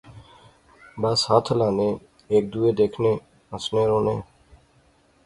بس ہتھ ہلانے۔۔۔ہیک دوہے دیکھنے۔۔ ہنسے رونے